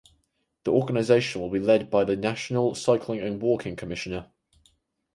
The organisation will be led by the National Cycling and Walking Commissioner.